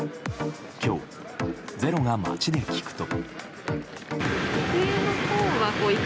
今日、「ｚｅｒｏ」が街で聞くと。